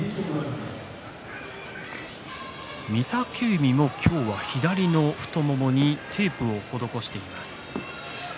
御嶽海も今日は左の太ももにテープを施しています。